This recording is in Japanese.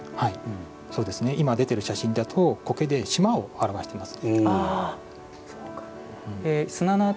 今、出ている写真だと苔で島を表しています。